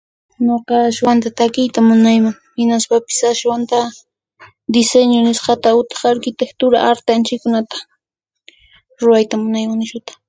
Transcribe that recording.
Ñuqaqa aswanta takiyta munayman hinaspapis aswanta diseño nisqata , utaq arquitectura arteanchaykunata ruayata munayman nishuta.